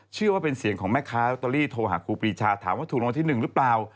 เชื่อว่าเป็นเสียงของแม่ค้าลอตเตอรี่โทรหาครูปีชาถามว่าถูกรางวัลที่๑หรือเปล่า